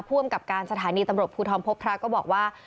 อำกับการสถานีตำรวจภูทรพบพระก็บอกว่า